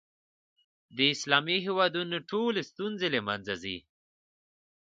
د اسلامي هېوادونو ټولې ستونزې له منځه ځي.